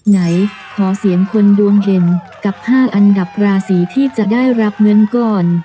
ไหนขอเสียงคนดวงเด่นกับ๕อันดับราศีที่จะได้รับเงินก่อน